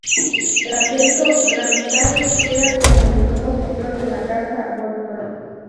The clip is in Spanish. Tras esto, Ramsay queda como el nuevo Señor de la Casa Bolton.